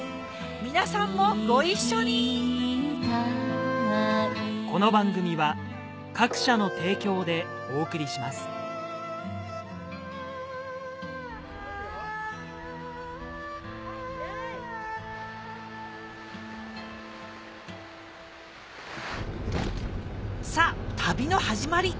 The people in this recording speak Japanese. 皆さんもご一緒にさぁ旅の始まり